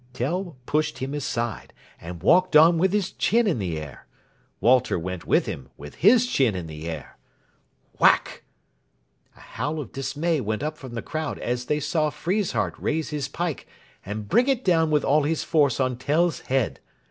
Tell pushed him aside, and walked on with his chin in the air. Walter went with him, with his chin in the air. WHACK! A howl of dismay went up from the crowd as they saw Friesshardt raise his pike and bring it down with all his force on Tell's head.